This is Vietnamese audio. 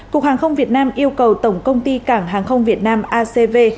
cục hàng không việt nam yêu cầu tổng công ty cảng hàng không việt nam acv